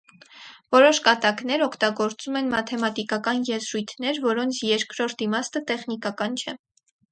Որոշ կատակներ օգտագործում են մաթեմատիկական եզրույթներ, որոնց երկրորդ իմաստը տեխնիկական չէ։